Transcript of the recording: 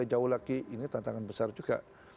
jauh lagi ini tantangan besar juga